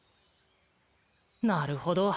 なるほど。